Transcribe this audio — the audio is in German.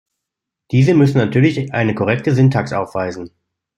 Diese müssen natürlich eine korrekte Syntax aufweisen.